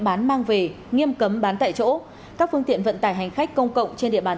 bán mang về nghiêm cấm bán tại chỗ các phương tiện vận tải hành khách công cộng trên địa bàn